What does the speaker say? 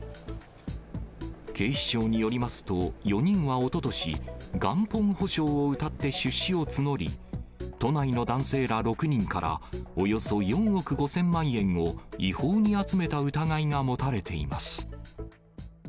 警視庁によりますと、４人はおととし、元本保証をうたって出資を募り、都内の男性ら６人から、およそ４億５０００万円を違法に集めた疑いが持たれています。